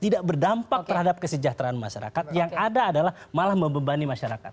tidak berdampak terhadap kesejahteraan masyarakat yang ada adalah malah membebani masyarakat